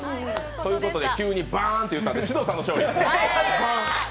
ということで急にバーンといったけど、獅童さん勝利。